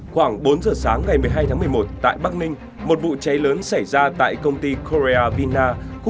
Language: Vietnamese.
khoảng bốn giờ sáng ngày một mươi hai tháng một mươi một tại bắc ninh một vụ cháy lớn xảy ra tại công ty korea vina